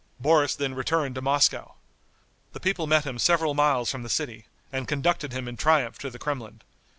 Boris then returned to Moscow. The people met him several miles from the city, and conducted him in triumph to the Kremlin.